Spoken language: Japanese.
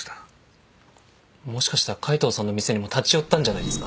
もしかしたら海藤さんの店にも立ち寄ったんじゃないですか？